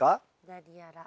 何やら。